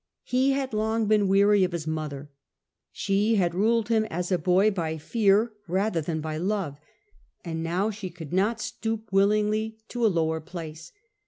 He had long been weary of his mother. She had ruled him as a boy by fear rather than by love, and now she could not stoop willingly to a lower place.